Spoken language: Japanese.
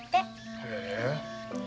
へえ。